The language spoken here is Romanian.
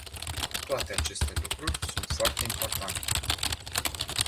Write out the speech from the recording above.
Toate aceste lucruri sunt foarte importante.